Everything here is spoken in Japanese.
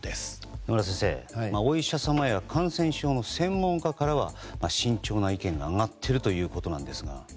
野村先生、お医者様や感染症の専門家からは慎重な意見が挙がっているということなんですが。